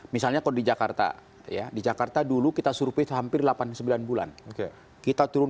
misalnya kalau di jakarta di jakarta dulu kita survei hampir delapan sembilan bulan